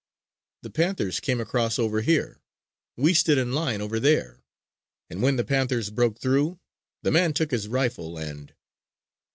The panthers came across over here; we stood in line over there. And when the panthers broke through, the man took his rifle, and...."